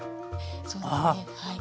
そうですねはい。